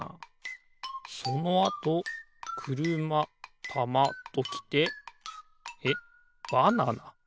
そのあとくるまたまときてえっバナナ？